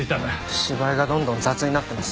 芝居がどんどん雑になってます。